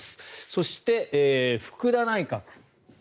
そして、福田内閣。